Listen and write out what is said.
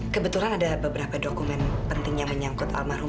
kebetulan ada beberapa dokumen penting yang menyangkut almarhum